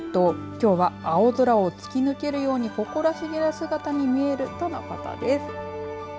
きょうは青空を突き抜けるように誇らしげな姿に見えるとのことです。